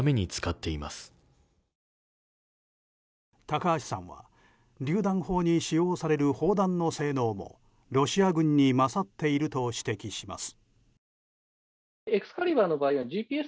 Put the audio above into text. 高橋さんは、りゅう弾砲に使用される砲弾の性能もロシア軍に勝っていると指摘します。